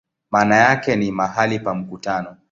Maana yake ni "mahali pa mkutano".